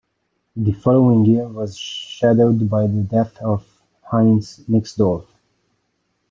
The following year was shadowed by the death of Heinz Nixdorf.